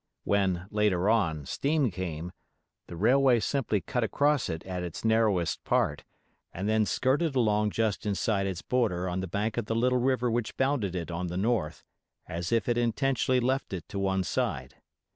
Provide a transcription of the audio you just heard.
When, later on, steam came, the railway simply cut across it at its narrowest part, and then skirted along just inside its border on the bank of the little river which bounded it on the north, as if it intentionally left it to one side.